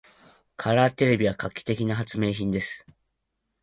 カラーテレビは画期的な発明品です。